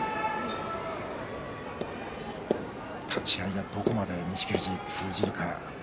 立ち合いどこまで錦富士通じるか。